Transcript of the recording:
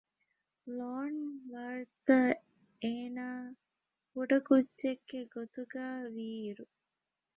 ލިއޮން ވާރތަށް އޭނާ ކުޑަކުއްޖެއްގެ ގޮތުގައިވީ އިރު